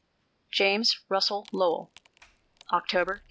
JAMES RUSSELL LOWELL. October, 1861.